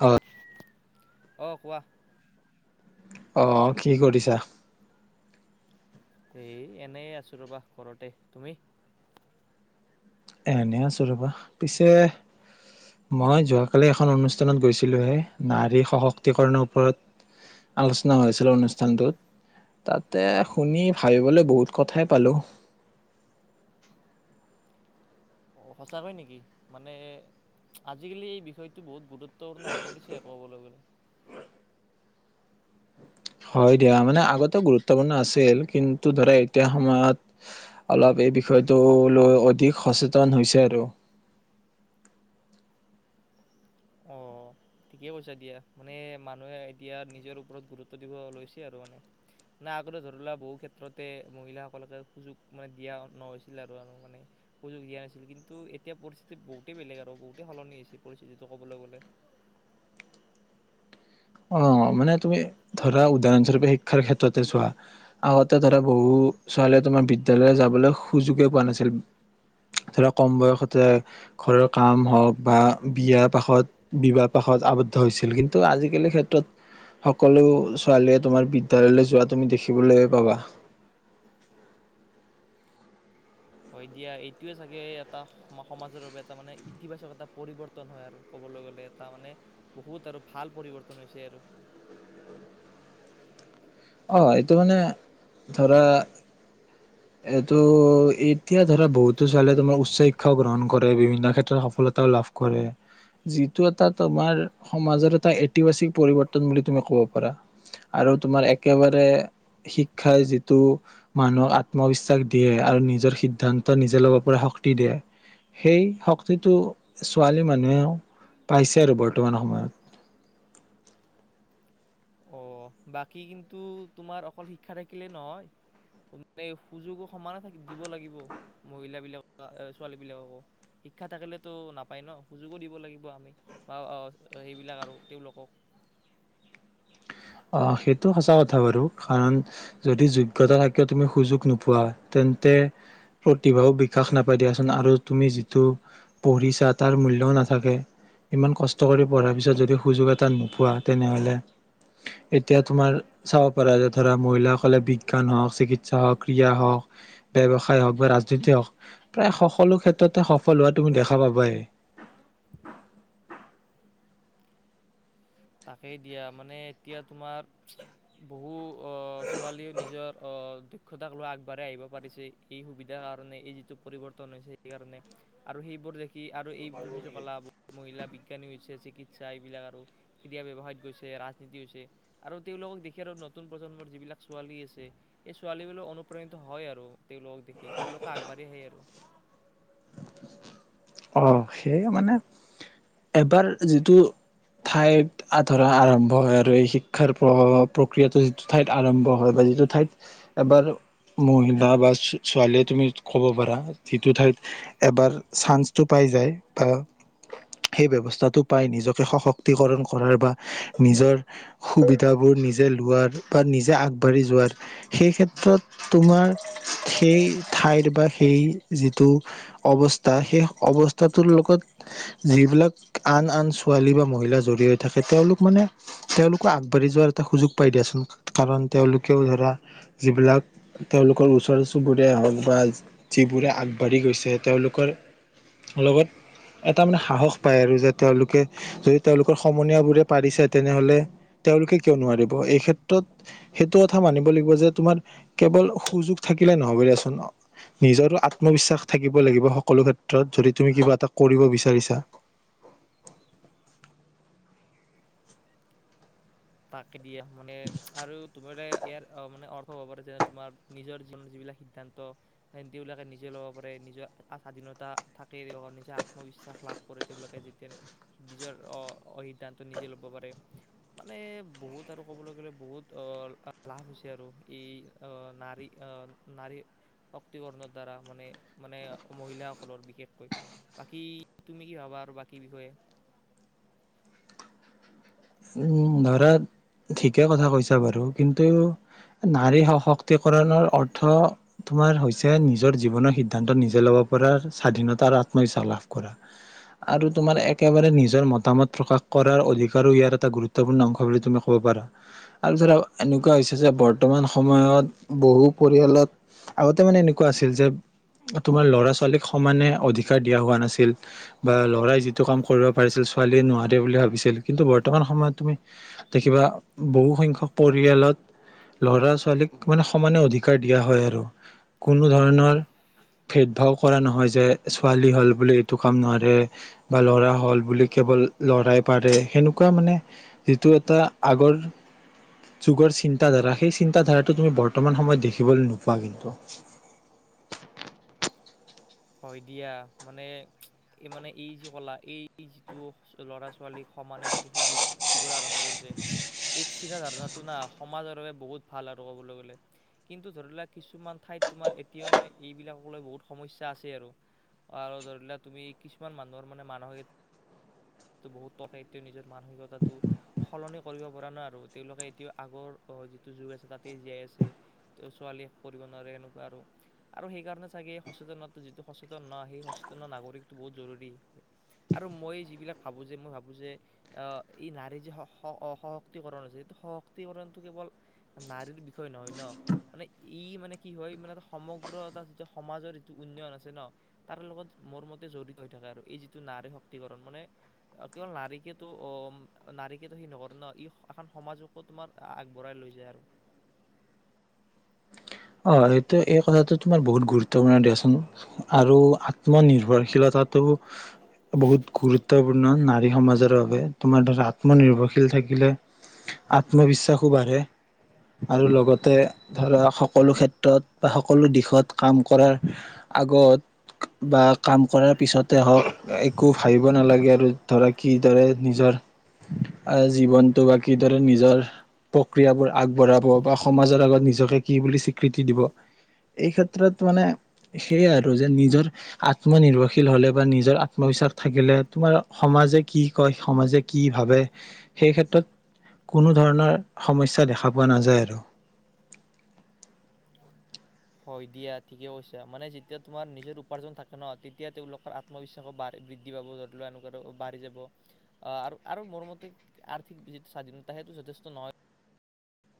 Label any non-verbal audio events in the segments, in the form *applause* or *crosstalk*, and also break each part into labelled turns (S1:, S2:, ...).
S1: অ
S2: অ কোৱা
S1: আহ কি কৰিছা
S2: এই এনে আছো ৰবা ঘৰতে তুমি
S1: এনে আছো ৰবা পিছে মই যোৱাকালি এখন অনুষ্ঠানত গৈছিলোহে নাৰী সশক্তিকৰণৰ ওপৰত আলোচনা হৈছিল অনুষ্ঠানটোত তাতে শুনি ভাবিবলৈ বহুত কথাই পালো
S2: অ সঁচাকৈ নেকি মানে আজিকালি এই বিষয়টো বহুত গুৰুত্বপূৰ্ণ হৈ পৰিছে আৰু ক'বলৈ গ'লে
S1: হয় দিয়া মানে আগতে গুৰুত্বপূৰ্ণ আছিল কিন্তু ধৰা এতিয়া সময়ত অলপ এই বিষয়টো লৈ অধিক সচেতন হৈছে আৰু
S2: অ ঠিকেই কৈছা দিয়া মানে মানুহে এতিয়া নিজৰ ওপৰত গুৰুত্ব দিব লৈছে আৰু মানে মানে আগতে ধৰি লোৱা বহু ক্ষেত্ৰতে মহিলাসকলকে সুযোগ মানে দিয়া নহৈছিল আৰু মানে সুযোগ দিয়া নাছিল কিন্তু এতিয়া পৰিস্থিতি বহুতেই বেলেগ আৰু বহুতেই সলনি হৈছে পৰিস্থিতি ক'বলৈ গ'লে
S1: অ মানে তুমি ধৰা উদাহৰণস্বৰূপে শিক্ষাৰ ক্ষেত্ৰতে চোৱা আগতে ধৰা বহু ছোৱালীয়ে তোমাৰ বিদ্য়ালয় যাবলৈ সুযোগে পোৱা নাছিল ধৰা কম বয়সতে ঘৰৰ কাম হওক বা বিয়য়াাৰ পাষত বিবাহ পাশত আবদ্ধ হৈছিল কিন্তু আজিকালি ক্ষেত্ৰত সকলো ছোৱালীয়ে তোমাৰ বিদ্যালয়লৈ যোৱা তুমি দেখিবলৈ পাবা
S2: হয় দিয়া এইটোয়ে চাগে এটা সম সমাজৰ বাবে এটা মানে ইতিবাচক এটা পৰিৱৰ্তন হয় আৰু কবলৈ গলে এটা মানে বহুত আৰু ভাল পৰিৱৰ্তন হৈছে আৰু
S1: অ এইটো মানে ধৰা এইটো এতিয়া ধৰা বহুতো ছোৱালীয়ে তোমাৰ উচ্চ শিক্ষাও গ্ৰহণ কৰে বিভিন্ন ক্ষেত্ৰত সফলতাও লাভ কৰে যিটো এটা তোমাৰ সমাজৰ এটা ইতিবাচিক পৰিৱৰ্তন বুলি তুমি কব পাৰা আৰু তোমাৰ একেবাৰে শিক্ষাই যিটো মানুহক আত্মবিশ্বাস দিয়ে আৰু নিজৰ সিদ্ধান্ত নিজে ল'ব পৰা শক্তি দিয়ে সেই শক্তিটো ছোৱালী মানুহেও পাইছে আৰু বৰ্তমান সময়ত
S2: অ বাকী কিন্তু তোমাৰ অকল শিক্ষা থাকিলে নহয় মে সুযোগো সমানে থ দিব লাগিব মহিলাবিলাক ছোৱালী বিলাককো শিক্ষা থাকিলেতো নাপায় ন সুযোগো দিব লাগিব আমি বা সেইবিলাক আৰু তেওঁলোকক
S1: অ সেইটো সঁচা কথা বাৰু কাৰণ যদি যোগ্যতা থাকিও তুমি সুযোগ নোপোৱা তেন্তে প্ৰতিভাও বিকাশ নাপাই দিয়াচোন আৰু তুমি যিটো পঢ়িছা তাৰ মূল্যও নাথাকে ইমান কষ্ট কৰি পঢ়াৰ পিছত যদি সুযোগ এটা নোপোৱা তেনেহলে এতিয়া তুমাৰ চাব পাৰা যে ধৰা মহিলাসকলে বিজ্ঞান হওক চিক হওক ক্ৰীড়া হওক ব্য়ৱসায় হওক বা ৰাজনীতি হওক প্ৰায় সকলো ক্ষেত্ৰতে সফল হোৱা তুমি দেখা পাবাই
S2: তাকেই দিয়া মানে এতিয়া তোমাৰ বহু অ ছোৱালী নিজৰ অ দক্ষতাক লোৱা আগবাঢ়ি আহিব পাৰিছে এই সুবিধাৰ কাৰণে এই যিটো পৰিৱৰ্তন হৈছে সেইকাৰণে আৰু সেইবোৰ দেখি আৰু এইম কোৰ মহিলা বিজ্ঞানী হৈছে চিকিৎসা এইবিলাক আৰু কেতিয়াা ব্যৱসায়ত গৈছে ৰাজনীতি হৈছে আৰু তেওঁলোকক দেখি আৰু নতুন প্ৰজন্মৰ যিবিলাক ছোৱালী আছে সেই ছোৱালীবিলাক অনুপ্ৰাণিত হয় আৰু তেওঁলোকক দেখি তেওঁলোক আগবাঢ়ি আহি আৰু
S1: অ সেইে মানে এবাৰ যিটো ঠাইত আধৰা আৰম্ভ হয় আৰু এই শিক্ষাৰ প্ৰ প্ৰক্ৰিয়াটো যিটো ঠাইত আৰম্ভ হয় বা যিটো ঠাইত এবাৰ মহিলা বা ছোৱালীয়ে তুমি ক'ব পাৰা যিটো ঠাইত এবাৰ চান্স পাই যায় বা সেই ব্য্ৱস্থাটো পাই নিজকে সশক্তিকৰণ কৰাৰ বা নিজৰ সুবিধাবোৰ নিজে লোৱাৰ বা নিজে আগবাঢ়ি যোৱাৰ সেই ক্ষেত্ৰত তোমাৰ সেই ঠাইৰ বা সেই যিটো অৱস্থা সেই অৱস্থাটোৰ লগত যিবিলাক আন আন ছোৱালী বা মহিলা জড় হৈ থাকে তেওঁলোক মানে তেওঁলোকো আগবাঢ়ি যোৱাৰ এটা সুযোগ পাই দিয়াচোন কাৰণ তেওঁলোকেও ধৰা যিবিলাক তেওঁলোকৰ ওচৰ চুবুৰেীয় হওক বা যিবোৰে আগবাঢ়ি গৈছে তেওঁলোকৰ লগত এটা মানে সাহস পায় আৰু যে তেওঁলোকে যদি তেওঁলোকৰ সমনীয়া বোৰে পাৰিছে তেনেহলে তেওঁলোকে কিয় নোৱাৰিব এই ক্ষেত্ৰত সেইটো কথা মানিব লাগিব যে তোমাৰ কেৱল সুযোগ থাকিলে নহব দিয়াচোন নিজৰো আত্মবিশ্বাস থাকিব লাগিব সকলো ক্ষেত্ৰত ক্ষেত্ৰত যদি তুমি কিবা এটা কৰিব বিচাৰিছা
S2: তাক দিয়া মানে আৰু তোম ইয়াৰ মানে অৰ্থ হ'ব পাৰে যেনে তোমাৰ নিজৰ জীৱনৰ যিবিলাক সিদ্ধান্ত তেওঁবিলাকে নিজে ল'ব পাৰে নিজৰ স্বাধীনতা থাকে নিজে আত্মবিশ্বাস লাভ কৰে তেওঁলোকে যেতিয়া নিজৰ সিদ্ধান্ত নিজে লব পাৰে মানে বহুত আৰু ক'বলৈ গলে বহুত আহ লাভ হৈছে আৰু এই আহ নাৰী আহ নাৰী শক্তিকৰণৰ দ্বাৰা মানে মানে মহিলাসকলৰ বিশেষকৈ বাকী তুমি কি ভাবা আৰু বাকী বিষয়ে
S1: উম ধৰা ঠিকে কথা কৈছা বাৰু কিন্তু নাৰী সশক্তিকৰণৰ অৰ্থ তোমাৰ হৈছে নিজৰ জীৱনৰ সিদ্ধান্ত নিজে ল'ব পৰা স্বাধীনতা আৰু আত্মবিশ্বাস লাভ কৰা আৰু তোমাৰ একেবাৰে নিজৰ মতামত প্ৰকাশ কৰাৰ অধিকাৰো ইয়াৰ এটা গুৰুত্বপূৰ্ণ অংশ বুলি তুমি কব পাৰা আৰু ধৰা এনেকুৱা হৈছে যে বৰ্তমান সময়ত বহু পৰিয়ালত আগতে মানে এনেকুৱা আছিল যে তোমাৰ ল'ৰা ছোৱালীক সমানে অধিকাৰ দিয়া হোৱা নাছিল বা ল'ৰাই যিটো কাম কৰিব পাৰিছিল ছোৱালীয়ে নোৱাৰে বুলি ভাবিছিল কিন্তু বৰ্তমান সময়ত তুমি দেখিবা বহু সংখ্যক পৰিয়ালত লৰা ছোৱালীক মানে সমানে অধিকাৰ দিয়া হয় আৰু কোনো ধৰণৰ ভেদ ভাৱ কৰা নহয় যে ছোৱালী হল বুলি এইটো কাম নাৰে বা লৰা হল বুলি কেৱল লৰাই পাৰে সেনো সেনেকুৱা মানে যিটো এটা আগৰ যুগৰ চিন্তা ধাৰা সেই চিন্তা ধাৰাটো তুমি বৰ্তমান সময়ত দেখিবলৈ নোপোৱা কিন্তু
S2: হয় দিয়া মানে এই মানে এই যি কলা এই যিটো ল'ৰা ছোৱালীক সমানে যিটো সুযোগ দিবলৈ আৰম্ভ কৰিছে এই চিন্তা ধাৰনাটো না সমাজৰ বাবে বহুত ভাল আৰু কবলৈ গলে কিন্তু ধৰি লোৱা কিছুমান ঠাইত তোমাৰ এতিয়াও মানে এইবিলাক বহুত সমস্যাৰ আছে আৰু আৰু ধৰি লোৱা তুমি কিছুমান মানুহৰ মানে মানসিকা *inaudible* বহুত টকা এতিয়া নিজৰ মানসিকতাটো সলনি কৰিব পৰা নাই আৰু তেওঁলোকে এতিয়া আগৰ যিটো যুগ আছে তাতে জীয়াই আছে তেওঁ ছোৱালীয়ে কৰিব নোৱাৰে এনেকুৱা আৰু আৰু সেইকাৰণে চাগে সচেতনতা যিটো সচেতন ন সেই সচেতন নাগৰিকটো বহুত জৰুৰী আৰু মই যিবিলাক ভাবো যে মই ভাবো যে এই নাৰীৰ যে সশক্তিকৰণ আছে সেইটো সশক্তিকৰণটো কেৱল নাৰীৰ বিষয় নহয় ন মানে ই মানে কি হয় মানে সমগ্ৰ এটা যিটো সমাজৰ উন্নয়ন আছে ন তাৰ লগত মোৰ মতে জড়িত হৈ থাকে আৰু এই যিটো নাৰী শক্তিকৰণ মানে কেৱল নাৰীকেতো অ নাৰীকেতো সেই নকৰে ন ই এখন সমাজকো তোমাৰ আগবঢ়াই লৈ যায় আৰু
S1: অ এইটো এই কথাটো তোমাৰ বহুত গুৰুত্বপূৰ্ণ দিয়াচোন আৰু আত্মনিৰ্ভৰশীলতাটো বহুত গুৰুত্বপূৰ্ণ নাৰী সমাজৰ বাবে তোমাৰ ধৰা আত্মনিৰ্ভৰশীল থাকিলে আত্মবিশ্বাসো বাঢ়ে আৰু লগতে ধৰা সকলো ক্ষেত্ৰত বা সকলো দিশত কাম কৰাৰ আগত বা কাম কৰাৰ পিছতে হওক একো ভাবিব নালাগে আৰু ধৰা কিদৰে নিজৰ জীৱনটো বা কিদৰে নিজৰ প্ৰক্ৰিয়াবোৰ আগবঢ়াব বা সমাজৰ আগত নিজকে কি বুলি স্বীকৃতি দিব এই ক্ষেত্ৰত মানে সেয়াই আৰু যে নিজৰ আত্মনিৰ্ভৰশীল হলে বা নিজৰ আত্মবিশ্বাস থাকিলে তোমাৰ সমাজে কি কয় সমাজে কি ভাবে সেই ক্ষেত্ৰত কোনো ধৰণৰ সমস্যা দেখা পোৱা নাযায় আৰু
S2: হয় দিয়া ঠিকে কৈছা মানে যেতিয়া তোমাৰ নিজৰ উপাৰ্জন থাকে ন তেতিয়া তেওঁলোকৰ আত্মবিশ্বাসো বাঢ়ে বৃদ্ধি পাব ধৰি লোৱা এনেকুৱা বাঢ়ি যাব আহ আৰু মোৰ মতে আৰ্থিক যিটো স্বাধীনতা সেইটো যথেষ্ট নহয়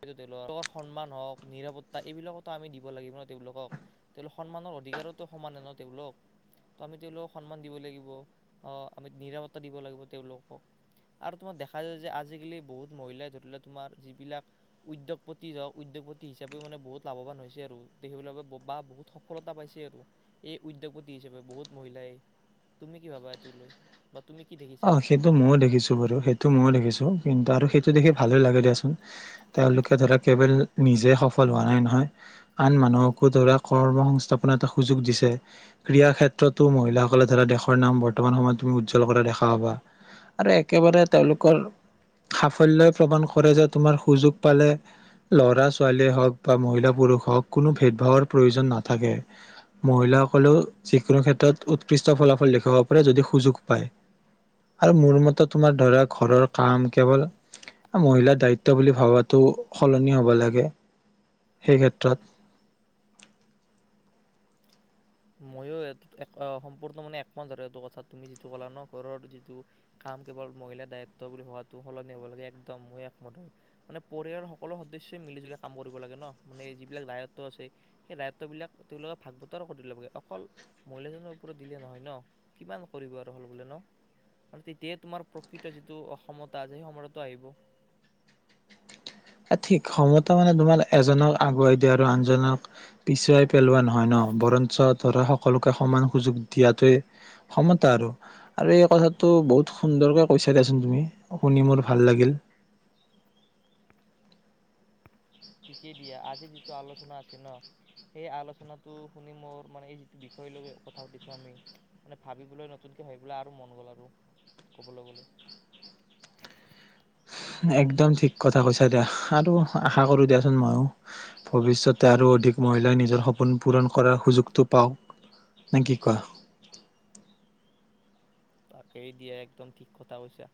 S2: হয়ো তেওঁলোকৰ সন্মান হওক নিৰাপত্তা এইবিলাকতো আমি দিব লাগিব ন তেওঁলোকক তেওঁলোকক সন্মানৰ অধিকাৰতো সমানে ন তেওঁলোক তো আমি তেওঁলোকক সন্মান দিব লাগিব আমি নিৰাপত্তা দিব লাগিব তেওঁলোকক আৰু তোমাক দেখা যায় যে আজিকালি বহুত মহিলাই ধৰি ল তোমাৰ যিবিলাক উদ্যোগপতি যাওক উদ্যোগপতি হিচাপেও মানে বহুত লাভৱান হৈছে আৰু দেখিবলৈ বা বহুত সফলতা পাইছে আৰু এই উদ্যোগপতি হিচাপে বহুত মহিলাই তুমি কি ভাবা এইটো লৈ বা তুমি কি
S1: অ
S2: দেখিছা?
S1: সেইটো ময়ো দেখিছো বাৰু সেইটো ময়ো দেখিছো কিন্তু আৰু সেইটো দেখি ভালে লাগে দিয়াচোন তেওঁলোকে ধৰা কেৱল নিজে সফল হোৱা নাই নহয় আন মানুহকো ধৰা কৰ্ম সংস্থাপন এটা সুযোগ দিছে ক্ৰীড়া ক্ষেত্ৰতো মহিলাসকলে ধৰা দেশৰ নাম বৰ্তমান সময়ত তুমি উজ্জ্বল কৰা দেখা আৰু একেবাৰে তেওঁলোকৰ সাফল্যই প্ৰমাণ কৰে যে তোমাৰ সুযোগ পালে ল'ৰা ছোৱালীয়ে হওক বা মহিলা পুৰুষ হওক কোনো ভেদ ভাৱৰ প্ৰয়োজন নাথাকে মহিলাসকলেও যিকোনো ক্ষেত্ৰত উৎকৃষ্ট ফলাফল দেখুৱাব পাৰে যদি সুযোগ পায় আৰু মোৰ মতে তোমাৰ ধৰা ঘৰৰ কাম কেৱল মহিলাৰ দায়িত্ব বুলি ভবাটো সলনি হ'ব লাগে সেই ক্ষেত্ৰত
S2: ময়ো সম্পূৰ্ণ মানে একমত ধৰে এইটো কথা তুমি যিটো কলা ন ঘৰৰ যিটো কাম কেৱল মহিলাৰ দায়িত্ব বুলি হোৱাটো সলনি হ'ব লাগে একদম ময়ো একমতৰে মানে পৰিয়ালৰ সকলো সদস্যই মিলি জুলি কাম কৰিব লাগে ন মানে যিবিলাক দায়িত্ব আছে সেই দায়িত্ববিলাক তেওঁলোকে ভাগ বতৰা কৰি দিবাগে অকল মহিলাজনৰ ওপৰত দিলে নহয় ন কিমান কৰিব আৰু হল বোলে ন ম তেতিয়াই তোমাৰ প্ৰকৃত যিটো অসমতা আছে সেই সমতাটো আহিব
S1: এ ঠিক ক্ষমতা মানে তোমাৰ এজনক আগুৱাই দিয়া আৰু আনজনক পিছুৱাই পেলোৱা নহয় ন বৰঞ্চ ধৰা সকলোকে সমান সুযোগ দিয়াটোৱে ক্ষমতা আৰু আৰু এই কথাটো বহুত সুন্দৰকে কৈছাই দিয়াচোন তুমি শুনি মোৰ ভাল লাগিল
S2: ঠিকেই দিয়া আজি যিটো আলোচনা আছে ন সেই আলোচনাটো শুনি মোৰ মানে এই যিটো বিষয় লৈ কথা পাতিছো আমি মানে ভাবিবলৈ নতুনকে ভাবিবলৈ আৰু মন গল আৰু কবলৈ গলে
S1: একদম ঠিক কথা কৈছা দিয়া আৰু আশা কৰোঁ দিয়াচোন ময়ো ভৱিষ্যতে আৰু অধিক মহিলাই নিজৰ সপোন পূৰণ কৰাৰ সুযোগটো পাওক নে কি কোৱা
S2: তাকেই দিয়ে একদম ঠিক কথা কৈছা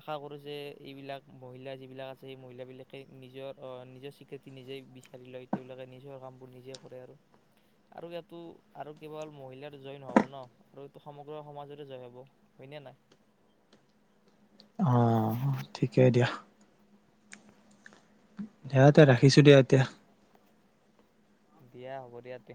S2: আশা কৰো যে এইবিলাক মহিলা যিবিলাক আছে সেই মহিলাবিলাকে নিজৰ নিজৰ স্বীকৃতি নিজেই বিচাৰি লয় তেওঁবিলাকে নিজৰ কামবোৰ নিজে কৰে আৰু আৰু ইয়াতো আৰু কেৱল মহিলাৰ জয় নহব ন আৰু এইটো সমগ্ৰ সমাজত জয় হব হয়নে নাই
S1: অ ঠিকেই দিয়া এয়াতে ৰাখিছো দিয়া এতিয়া
S2: দিয়া হব দিয়া তে